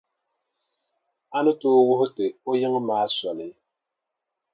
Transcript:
A ni tooi wuhi ti o yiŋa maa soli.